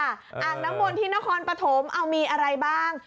อ่างน้ำมนที่นครปฐมเอามีอะไรบ้าง